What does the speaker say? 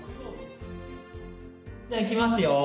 じゃあいきますよ。